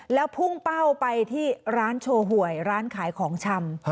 แล้วพุ่งเป้าไปที่ร้านโชว์หวยร้านขายของชำ